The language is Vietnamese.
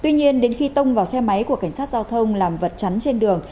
tuy nhiên đến khi tông vào xe máy của cảnh sát giao thông làm vật chắn trên đường